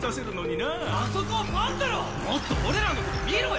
もっと俺らの事見ろよ！